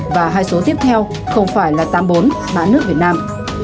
và hai số tiếp theo không phải là tám mươi bốn mã nước việt nam